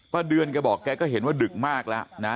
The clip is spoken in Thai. เดือนแกบอกแกก็เห็นว่าดึกมากแล้วนะ